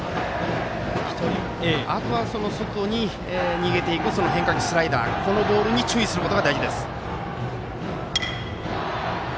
あとは外に逃げていく変化球、スライダーそのボールに注意すること。